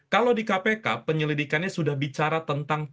kalau di kpk penyelidikannya sudah bicara tentang